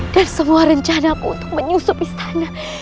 dan semua rencana aku untuk menyusup istana